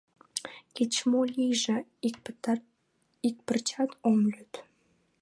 — Кеч-мо лийже — ик пырчат ом лӱд.